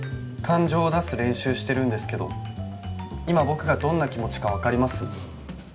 感情を出す練習してるんですけど今僕がどんな気持ちかわかります？